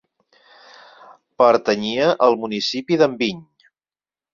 Pertanyia al municipi d'Enviny.